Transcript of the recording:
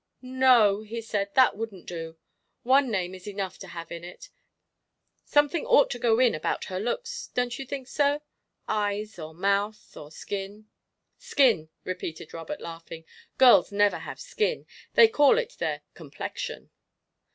"No," he said, "that wouldn't do. One name is enough to have in it. Something ought to go in about her looks, don't you think so eyes, or mouth, or skin?" "'Skin,'" repeated Robert, laughing; "girls never have 'skin.' They call it their 'complexion.'"